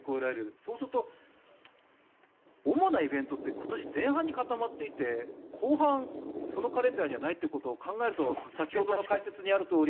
そうすると、主なイベントって今年前半に固まっていて後半、そのカレンダーにはないことを考えると先ほどの解説にあるとおり。